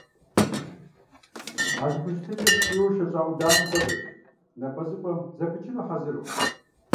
А зэхущытыкӀэр ткӀийуэ шэщӀа Ӏуданэм хуэдэщ, напӀэзыпӀэм зэпычыну хьэзыру.